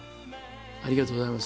ありがとうございます。